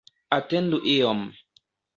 Atendu iom.